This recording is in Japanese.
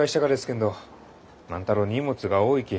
けんど万太郎荷物が多いき